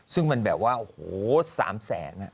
ซึ่งมันแบบว่าโอ้โห๓แสน